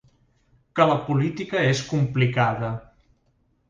Que la política és complicada.